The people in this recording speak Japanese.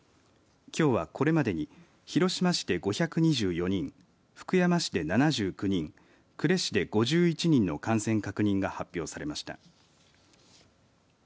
きょうは、これまでに広島市で５２４人、福山市で７９人、呉市で５１人の感染確認が発表されました。